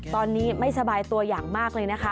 ตอนนี้ไม่สบายตัวอย่างมากเลยนะคะ